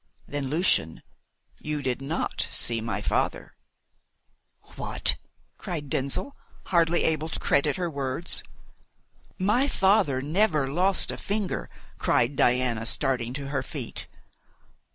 "Then, Lucian, you did not see my father!" "What!" cried Denzil, hardly able to credit her words. "My father never lost a finger!" cried Diana, starting to her feet.